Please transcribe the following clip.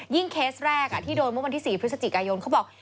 เคสแรกที่โดนเมื่อวันที่๔พฤศจิกายนเขาบอก